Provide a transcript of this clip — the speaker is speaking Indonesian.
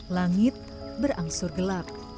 langit berangsur gelap